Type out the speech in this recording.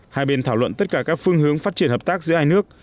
hai bên thảo luận tất cả các phương hướng phát triển hợp tác giữa hai nước